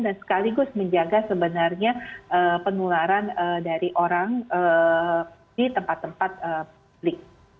dan sekaligus menjaga sebenarnya penularan dari orang di tempat tempat publik